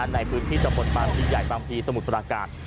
ในพื้นที่จะจบลันที่ใหญ่บางทีสมุทรประกาศ